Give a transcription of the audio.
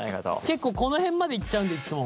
結構この辺までいっちゃうんでいっつも。